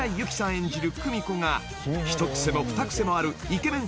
演じる久美子が一癖も二癖もあるイケメン